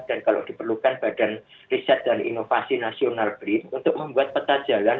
dan kalau diperlukan badan riset dan inovasi nasional bri untuk membuat peta jalan